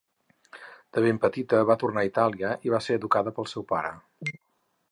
De ben petita va tornar a Itàlia i va ser educada pel seu pare.